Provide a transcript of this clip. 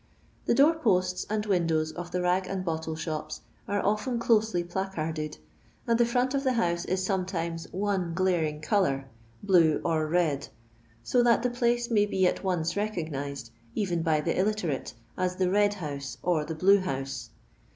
The door posts and win dows of the rag and bottle shops are often closely placarded, and the front of the house is sometimes one gluriug colour, blue or red ; so that the place may be at once recognised, eyen by the illiterate, as the red house," or the " blue house."